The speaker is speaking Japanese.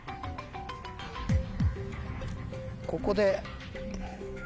ここで。